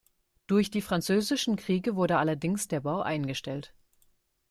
Durch die französischen Kriege wurde allerdings der Bau eingestellt.